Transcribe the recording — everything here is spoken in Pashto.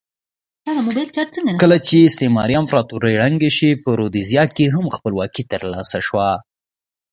کله چې استعماري امپراتورۍ ړنګې شوې په رودزیا کې هم خپلواکي ترلاسه شوه.